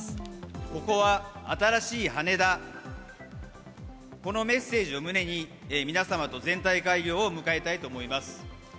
ここは新しい羽だ、このメッセージを胸に、皆様と全体開業を迎えたいと思います。